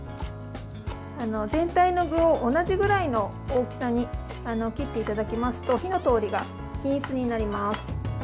全体の具を同じぐらいの大きさに切っていただきますと火の通りが均一になります。